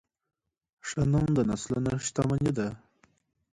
ښه نوم د نسلونو شتمني ده.